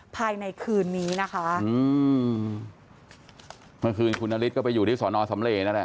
ภายในคืนนี้นะคะอืมเมื่อคืนคุณนฤทธิก็ไปอยู่ที่สอนอสำเลนั่นแหละ